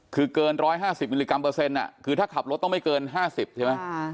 คือเกิน๑๕๐มิลลิกรัมเปอร์เซ็นต์คือถ้าขับรถต้องไม่เกิน๕๐ใช่ไหม